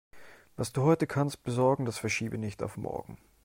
Was du heute kannst besorgen, das verschiebe nicht auf morgen.